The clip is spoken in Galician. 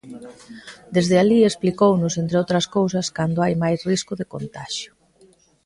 Desde alí explicounos, entre outras cousas, cando hai máis risco de contaxio.